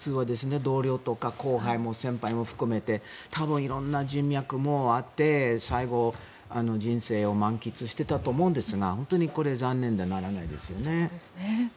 同僚とか後輩も先輩も含めて多分、色んな人脈もあって最後、人生を満喫していたと思うんですが本当にこれは残念でならないですね。